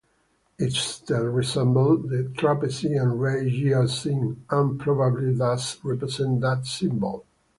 Its tail resembled the trapeze-and-ray year sign, and probably does represent that symbol.